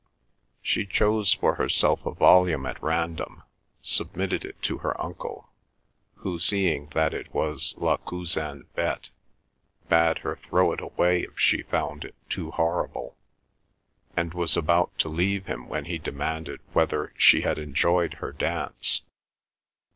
She chose for herself a volume at random, submitted it to her uncle, who, seeing that it was La Cousine bette, bade her throw it away if she found it too horrible, and was about to leave him when he demanded whether she had enjoyed her dance?